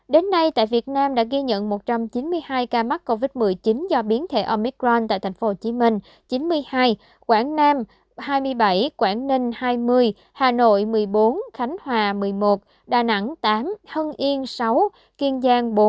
đến nay tại việt nam đã ghi nhận một trăm chín mươi hai ca mắc covid một mươi chín do biến thể omicron tại tp hcm chín mươi hai quảng nam hai mươi bảy quảng ninh hai mươi hà nội một mươi bốn khánh hòa một mươi một đà nẵng tám hân yên sáu kiên giang bốn